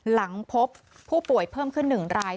หลังพบผู้ป่วยเพิ่มขึ้น๑ราย